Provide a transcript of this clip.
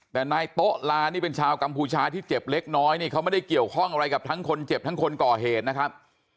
แต่นายโต๊ะลานี่เป็นชาวกัมพูชาที่เจ็บเล็กน้อยนี่เขาไม่ได้เกี่ยวข้องอะไรกับทั้งคนเจ็บทั้งคนก่อเหตุนะครับ